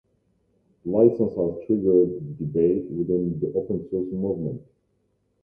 The license has triggered debate within the open source movement.